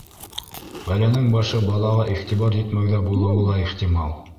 Бәләнең башы балаға иғтибар етмәүҙә булыуы ла ихтимал.